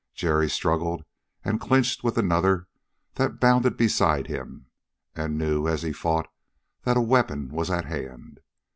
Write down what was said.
Jerry struggled and clinched with another that bounded beside him, and knew as he fought that a weapon was at hand.